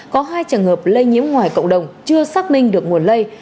có hai trường hợp lây nhiễm ngoài cộng đồng chưa xác minh được nguồn lây